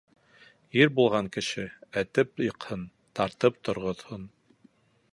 Ир булған кеше этеп йыҡһын, тартып торғоҙһон.